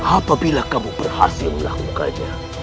apabila kamu berhasil melakukan